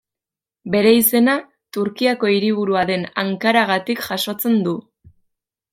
Bere izena Turkiako hiriburua den Ankaragatik jasotzen du.